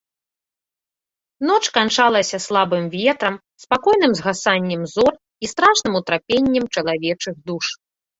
Ноч канчалася слабым ветрам, спакойным згасаннем зор і страшным утрапеннем чалавечых душ.